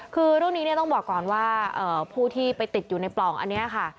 คือเรื่องนี้เนี่ยต้องบอกก่อนว่าผู้ที่ไปติดอยู่ในปล่องอันนี้ค่ะ